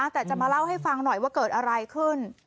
แต่จะมาเล่าให้ฟังหน่อยว่าเกิดอะไรขึ้น